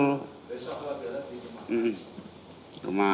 besok lebih halal di rumah